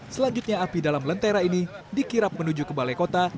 selanjutnya api dalam lentera ini dikirap menuju ke balai kota